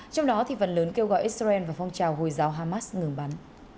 trong đó phần lớn kêu gọi israel và phong trào hồi giáo hamas ngừng bắn